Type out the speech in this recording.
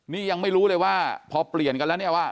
นี่ยังไม่รู้เลยว่าพอเปลี่ยนกันแล้วเนี่ยว่า